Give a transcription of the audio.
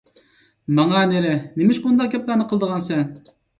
— ماڭە نېرى، نېمىشقا ئۇنداق گەپلەرنى قىلىدىغانسەن؟